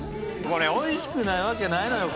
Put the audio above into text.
これおいしくないわけないのよ！